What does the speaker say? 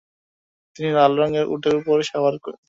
তিনি লাল রঙের উটের উপর সওয়ার ছিলেন।